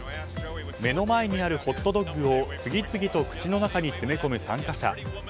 目の前にあるホットドッグを次々と口の中に詰め込む参加者。